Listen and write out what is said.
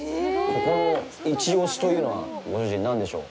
ここのイチオシというのはご主人、何でしょう。